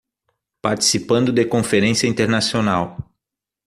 Participando de conferência internacional